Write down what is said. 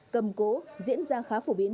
cầm cụ diễn ra khá phổ biến